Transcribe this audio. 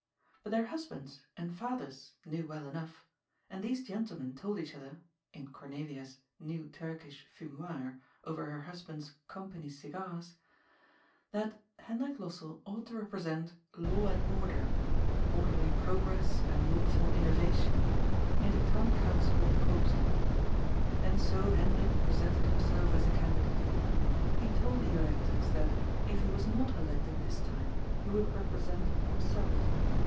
But their husbands and fathers knew well enough, and these gentlemen told each other — ^in Cornelia's new Turkish *'fumoir," over her husband's "company" cigars — that DOOMED. 359 Hendrik Lossell ought to represent Law and Order — orderly Progress and lawful Innoyation — in the Town^ Council of Eoopstad. And so Hendrik presented himself as a candi date. He told the electors that, if he was not elected this time, he would re present himself.